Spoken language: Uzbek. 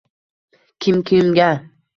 Kim kimga?